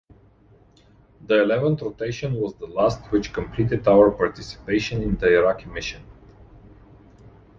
The eleventh rotation was the last, which completed our participation in the Iraqi Mission.